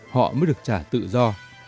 họ mới được trả tự do